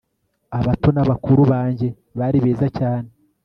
abato n bakuru banjye bari beza cyane